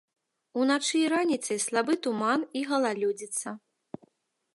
Уначы і раніцай слабы туман і галалёдзіца.